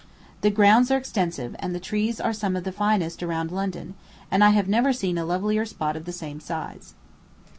The grounds are extensive, and the trees are some of the finest around London, and I have never seen a lovelier spot of the same size.